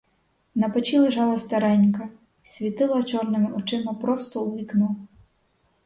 На печі лежала старенька й світила чорними очима просто у вікно.